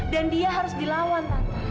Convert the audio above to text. dan dia harus dilawan tante